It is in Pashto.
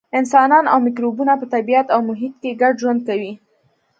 انسانان او مکروبونه په طبیعت او محیط کې ګډ ژوند کوي.